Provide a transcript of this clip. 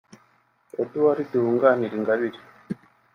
Edwards wunganira Ingabire